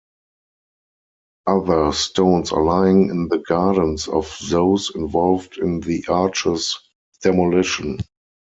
Other stones are lying in the gardens of those involved in the arch's demolition.